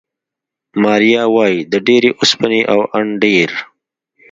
ماریا وايي، د ډېرې اوسپنې او ان ډېر